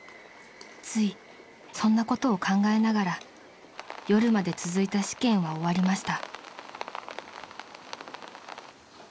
［ついそんなことを考えながら夜まで続いた試験は終わりました］